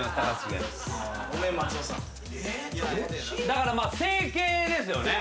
だからまあ整形ですよね。